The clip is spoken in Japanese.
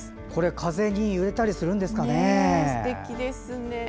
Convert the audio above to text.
風に揺れたりするんですかね。